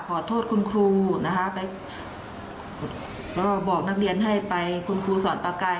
ขอโทษคุณครูนะคะไปก็บอกนักเรียนให้ไปคุณครูสอนประกาย